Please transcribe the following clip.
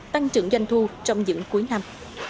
tăng trưởng doanh thu trong những cuối năm